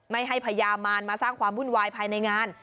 ไม่ให้พญามารมาสร้างความวุ่นวายภายในงาน